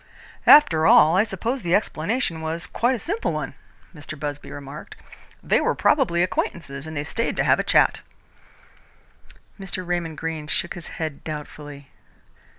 "After all, I suppose the explanation was quite a simple one," Mr. Busby remarked. "They were probably acquaintances, and they stayed to have a chat." Mr. Raymond Greene shook his head doubtfully.